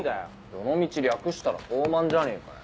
「どのみち略したら東卍じゃねえかよ」